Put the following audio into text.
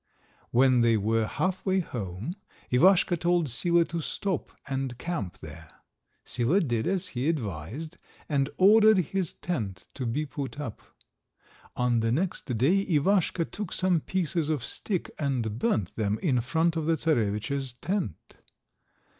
When they were half way home Ivaschka told Sila to stop and camp there. Sila did as he advised, and ordered his tent to be put up. On the next day Ivaschka took some pieces of stick and burnt them in front of the Czarovitch's tent.